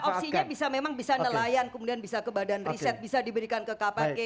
opsinya bisa memang bisa nelayan kemudian bisa ke badan riset bisa diberikan ke kpk